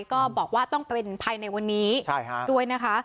ก็บอกว่าต้องเป็นภายในวันนี้ด้วยนะคะ